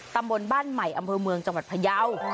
ตำบลบ้านใหม่อำเภอเมืองจังหวัดพยาว